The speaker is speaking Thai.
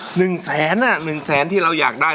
๑๐๐๐๐๐หน่า๑๐๐๐๐๐ที่เราอยากได้